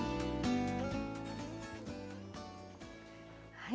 はい。